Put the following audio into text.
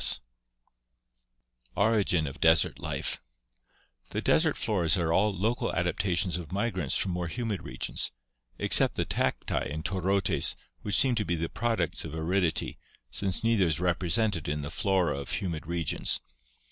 DESERT ADAPTATION 407 Origin of Desert Life The desert floras are all local adaptations of migrants from more humid regions, except the cacti and torotes, which seem to be the products of aridity, since neither is represented in the flora of humid regions.